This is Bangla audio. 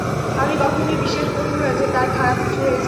আমি কখনোই বিশ্বাস করবো না যে, তার খারাপ কিছু হয়েছে।